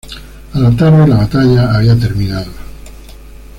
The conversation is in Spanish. A la tarde la batalla había terminado.